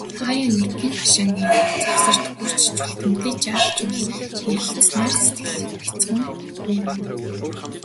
Хааяа нэгхэн, хашааны завсарт хүрч, Чүлтэмтэй жаал жуулхан ярилцсанаар сэтгэлийг бяцхан хуурна.